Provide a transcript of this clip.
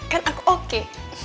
kan aku oke